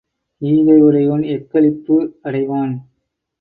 ஈகை உடையோன் எக்களிப்பு அடைவான்.